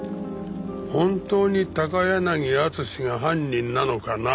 本当に高柳敦が犯人なのかな？